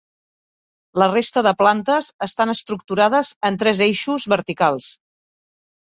La resta de plantes estan estructurades en tres eixos verticals.